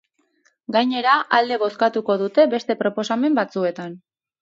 Gainera, alde bozkatuko dute beste proposamen batzuetan.